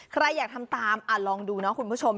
ใครอยากทำตามลองดูนะคุณผู้ชม